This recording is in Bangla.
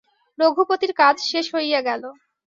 রঘুপতির কাজ শেষ হইয়া গেল।